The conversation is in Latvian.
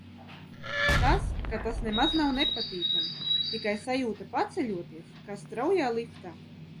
Tas, ka tas nemaz nav nepatīkami, tikai sajūta paceļoties kā straujā liftā.